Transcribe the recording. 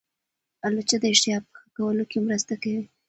الوچه د اشتها په ښه کولو کې مرسته کوي.